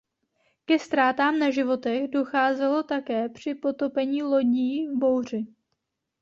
Ke ztrátám na životech docházelo také při potopení lodí v bouři.